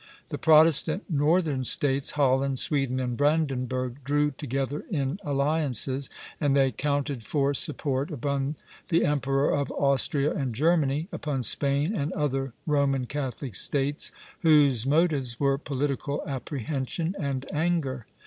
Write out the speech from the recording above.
The Protestant northern States, Holland, Sweden, and Brandenburg, drew together in alliances; and they counted for support upon the Emperor of Austria and Germany, upon Spain and other Roman Catholic States whose motives were political apprehension and anger.